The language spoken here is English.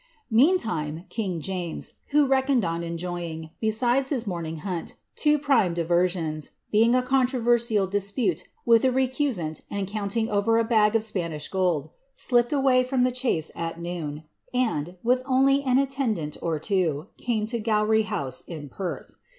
Meantime, king James, who reckoned on enjoying, besides his morning hunt, two prime diversions, being a controversial dispute witli a recusant, and counting over a bag of Spanish gold, slipped away from the chase at noon, and, with only an attendant or two, came to Oowry House, in Perth.'